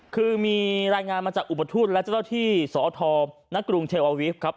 คือมีรายงานมาจากอุปทธุรกิจและเจ้าที่สตณกรุงเทวอวิศครับ